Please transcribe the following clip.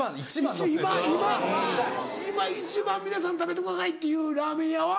今一番皆さん食べてくださいっていうラーメン屋は？